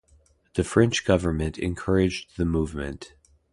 The French government encouraged the movement.